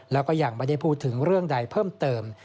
แล้วก็ยังไม่ได้พูดถึงเรื่องใดเพิ่มเติม